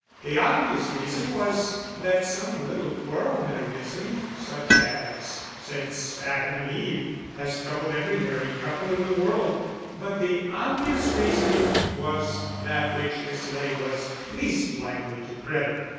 The obvious reason was that some little quarrel had arisen, such as, since Adam and Eve, has troubled every married couple in the world; but the obvious reason was that which Miss Ley was least likely to credit.